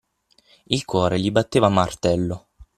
Il cuore gli batteva a martello.